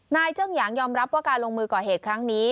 เจิ้งหยางยอมรับว่าการลงมือก่อเหตุครั้งนี้